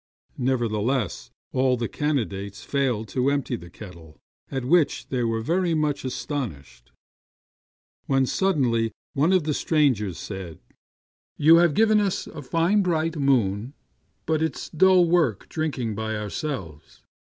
Nevertheless, all the candidates failed to empty the kettle, at which they were very much astonished, when suddenly one of the strangers said, " You have given us a fine bright moon ; but it's dull work drinking by ourselves.